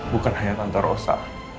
bukan hanya tante rosa